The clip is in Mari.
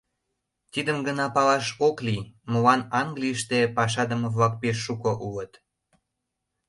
Тидым гына палаш ок лий: молан Английыште пашадыме-влак пеш шуко улыт?